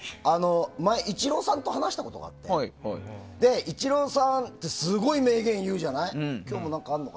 前、イチローさんと話したことがあってイチローさんすごい名言言うじゃない？